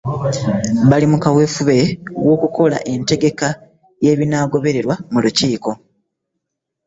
Baali mu kaweefube w'okukola entegeka y'ebinaagobererwa mu lukiiko